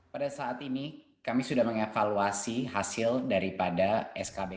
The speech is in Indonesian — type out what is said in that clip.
pada saat ini kami sudah mengevaluasi hasil daripada skb